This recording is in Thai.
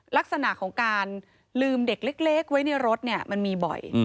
ลักษณะของการลืมเด็กเล็กไว้ในรถมันมีบ่อย